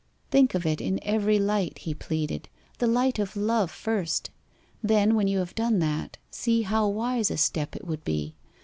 'Think of it in every light,' he pleaded; 'the light of love, first. Then, when you have done that, see how wise a step it would be.